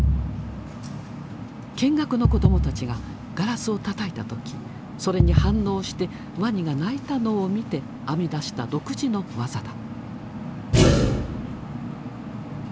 見学の子どもたちがガラスをたたいた時それに反応してワニが鳴いたのを見て編み出した独自の技だ。